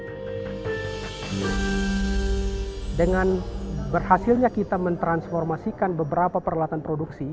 dengan berhasilnya kita mentransformasikan beberapa peralatan produksi